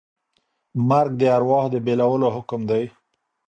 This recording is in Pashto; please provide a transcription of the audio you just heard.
مرګ د ارواح د بېلولو حکم دی.